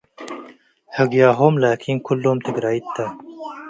ህግያሆም ላኪን ክሎም ትግረይት ተ ።